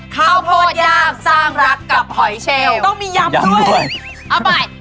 ข้าวโพดยากสร้างรักกับหอยเชลต้องมียำด้วยเอาใหม่